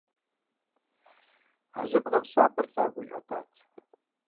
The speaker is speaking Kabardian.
А жьыбгъэм сабэр лъагэу иӏэтат.